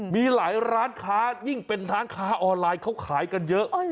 มีหลายร้านค้ายิ่งเป็นร้านค้าออนไลน์เขาขายกันเยอะ